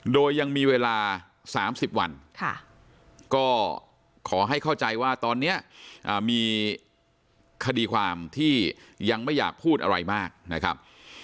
โดยยังมีเวลา๓๐วันก็ขอให้เข้าใจว่าตอนนี้มีคดีความที่ยังไม่อยากพูดอะไรมากนะครับ